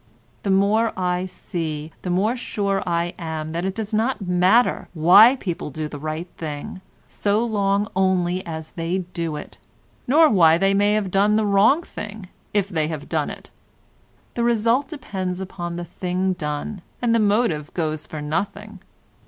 The more I see the more sure I am that it does not matter why people do the right thing so long only as they do it, nor why they may have done the wrong if they have done it. The result depends upon the thing done and the motive goes for nothing.